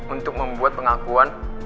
untuk membuat pengakuan